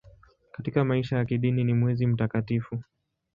Katika maisha ya kidini ni mwezi mtakatifu.